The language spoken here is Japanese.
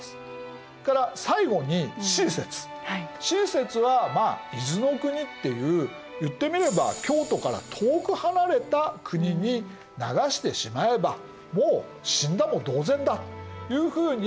Ｃ説はまあ伊豆の国っていう言ってみれば京都から遠く離れた国に流してしまえばもう死んだも同然だというふうに平清盛が思った。